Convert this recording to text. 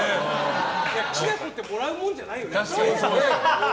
きな粉ってもらうもんじゃないよね。